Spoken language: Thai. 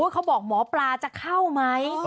เขาบอกหมอปลาจะเข้าไหม